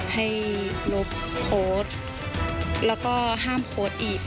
มีความรู้สึกว่า